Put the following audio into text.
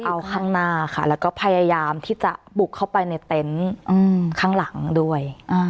เอาข้างหน้าค่ะแล้วก็พยายามที่จะบุกเข้าไปในเต็นต์ข้างหลังด้วย